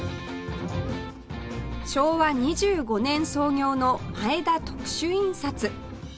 昭和２５年創業のマエダ特殊印刷